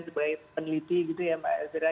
sebagai peneliti gitu ya mbak elvira